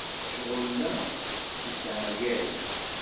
Ccɣel-a yesseɛyay.